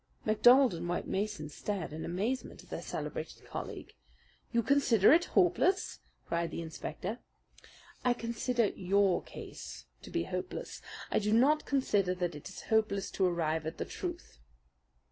MacDonald and White Mason stared in amazement at their celebrated colleague. "You consider it hopeless!" cried the inspector. "I consider your case to be hopeless. I do not consider that it is hopeless to arrive at the truth."